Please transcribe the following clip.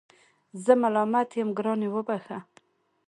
زه ملامت یم ګرانې وبخښه